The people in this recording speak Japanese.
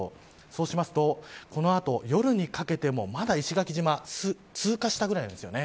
そうしますとこの後、夜にかけてもまだ石垣島を通過したぐらいなんです。